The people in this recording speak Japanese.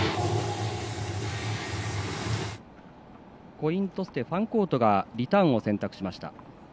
コイントスでファンコートがリターンを選択しました。